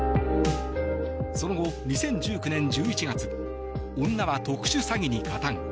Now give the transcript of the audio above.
その後、２０１９年１１月女は特殊詐欺に加担。